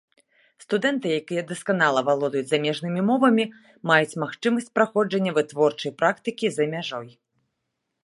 Студэнты, якія дасканала валодаюць замежнымі мовамі, маюць магчымасць праходжання вытворчай практыкі за мяжой.